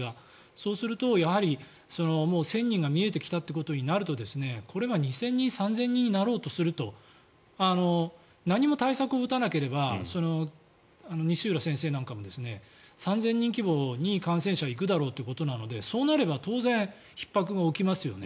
そうすると、やはり１０００人が見えてきたということになるとこれが２０００人、３０００人になろうとすると何も対策を打たなければ西浦先生なんかも３０００人規模に、感染者行くだろうということなのでそうなれば当然、ひっ迫が起きますよね。